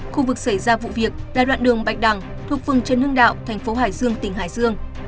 khu vực xảy ra vụ việc là đoạn đường bạch đằng thuộc phường trân hưng đạo tp hải dương tỉnh hải dương